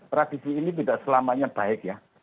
tradisi ini tidak selamanya baik ya